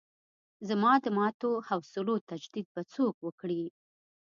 زما د ماتو حوصلو تجدید به څوک وکړي.